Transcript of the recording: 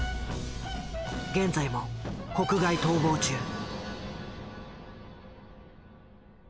現在も国外逃亡中。